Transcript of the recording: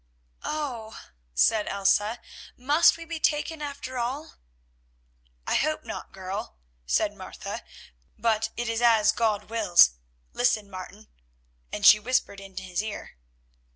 "Oh!" said Elsa, "must we be taken after all?" "I hope not, girl," said Martha, "but it is as God wills. Listen, Martin," and she whispered in his ear.